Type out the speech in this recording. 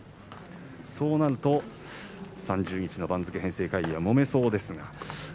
そうなると３１日の番付編成会議はもめそうです。